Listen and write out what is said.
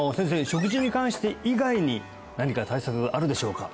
食事に関して以外に何か対策あるでしょうか？